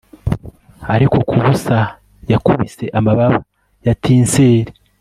ariko kubusa yakubise amababa ya tinsel